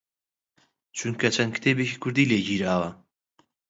چونکە چەند کتێبێکی کوردی لێ گیراوە